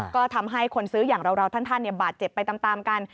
ก็ทำให้คนซื้ออย่างเราท่านบาดเจ็บไปตามกัน